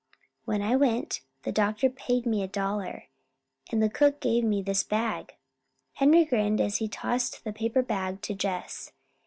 "When I went, the doctor paid me a dollar, and the cook gave me this bag." Henry grinned as he tossed the paper bag to Jess.